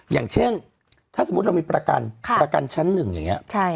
อย่างเช่นถ้าสมมุติเรามีประกันประกันชั้นหนึ่งอย่างนี้